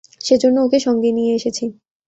সেজন্য ওকে সঙ্গে নিয়ে এসেছি।